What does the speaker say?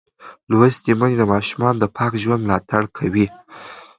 لوستې میندې د ماشومانو د پاک ژوند ملاتړ کوي.